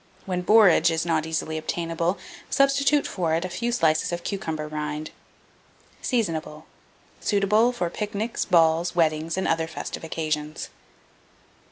When borage is not easily obtainable, substitute for it a few slices of cucumber rind. Seasonable. Suitable for pic nics, balls, weddings, and other festive occasions.